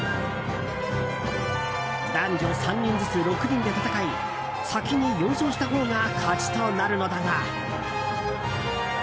男女３人ずつ６人で戦い先に４勝したほうが勝ちとなるのだが。